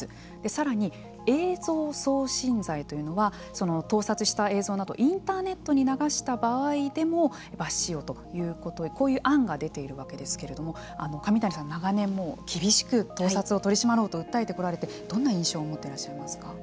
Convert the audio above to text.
さらに、影像送信罪というのはその盗撮した映像などインターネットに流した場合でも罰しようということでこういう案が出ているわけですけれども上谷さんは長年厳しく盗撮を取り締まろうと訴えてこられれてどんな印象を持ってらっしゃいますか。